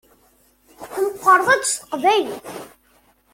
Tmeqqṛeḍ-d s teqbaylit.